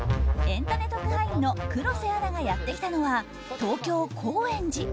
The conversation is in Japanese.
エンたね特派員の黒瀬アナがやってきたのは、東京・高円寺。